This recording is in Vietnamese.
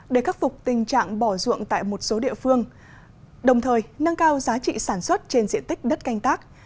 để khắc phục tình trạng bỏ ruộng tại một số địa phương đồng thời nâng cao giá trị sản xuất trên diện tích đất canh tác